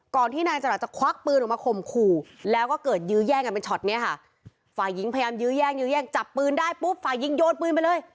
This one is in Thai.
ฝ่ายิงพยายามยื้อแย้งยื้อแย้งจับปืนได้ปุ๊บฝ่ายิงโยนปืนไปเลย